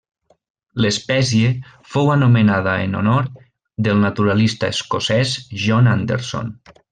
L'espècie fou anomenada en honor del naturalista escocès John Anderson.